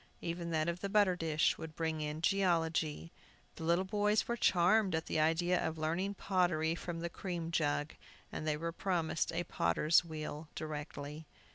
Even that of the butter dish would bring in geology. The little boys were charmed at the idea of learning pottery from the cream jug, and they were promised a potter's wheel directly.